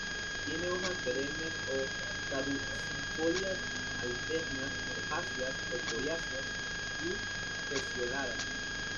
Tiene hojas perennes o caducifolias, alternas, herbáceas o coriáceas y pecioladas.